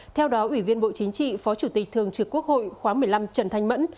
theo đó ủy viên bộ chính trị phó chủ tịch thường trực quốc hội khóa một mươi năm trần thanh mẫn